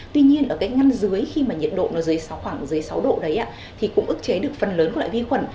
tuy nhiên ở cái ngăn dưới khi mà nhiệt độ nó dưới khoảng dưới sáu độ đấy ạ thì cũng ước chế được phần lớn của loại vi khuẩn